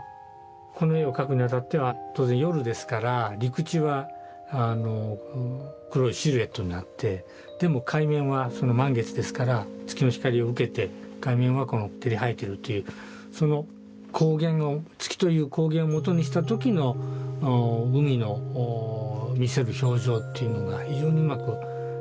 この絵を描くにあたっては当然夜ですから陸地は黒いシルエットになってでも海面は満月ですから月の光を受けて海面はこの照り映えてるというその光源を月という光源を元にした時の海の見せる表情というのが非常にうまく捉えられてると言っていいと思います。